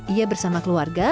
ia bersama keluarga